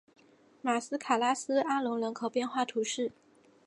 马斯卡拉斯阿龙人口变化图示